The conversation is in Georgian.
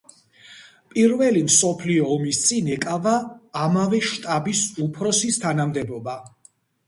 პირველი მსოფლიო ომის წინ ეკავა ამავე შტაბის უფროსის თანამდებობა.